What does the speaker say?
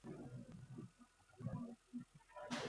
Bu kun xotiramda yaxshi saqlangan.